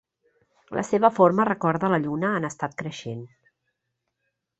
La seva forma recorda la Lluna en estat creixent.